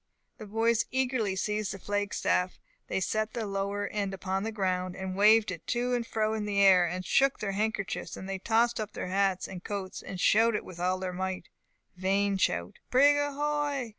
The boys eagerly seized the flag staff; they set the lower end upon the ground; they waved it to and fro in the air; they shook their handkerchiefs; they tossed up their hats and coats, and shouted with all their might (vain shout!), "Brig ahoy!"